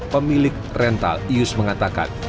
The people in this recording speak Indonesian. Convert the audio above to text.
pemilik rental ius mengatakan